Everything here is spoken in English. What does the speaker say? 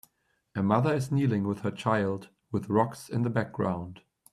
A mother is kneeling with her child with rocks in the background.